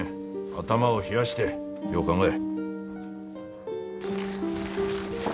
頭を冷やしてよう考ええ。